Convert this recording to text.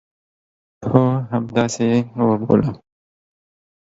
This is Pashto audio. هو، همداسي یې وبوله